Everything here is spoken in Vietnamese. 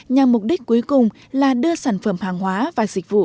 nhằm mục đích cuối cùng là đưa sản phẩm hàng hóa và dịch vụ